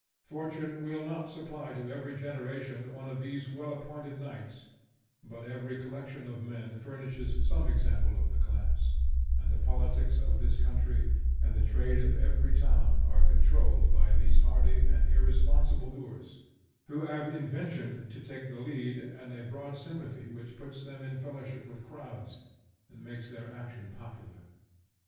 Fortune will not supply to every generation one of these well appointed knights, but every collection of men furnishes some example of the class; and the politics of this country, and the trade of every town, are controlled by these hardy and irresponsible doers, who have invention to take the lead, and a broad sympathy which puts them in fellowship with crowds, and makes their action popular.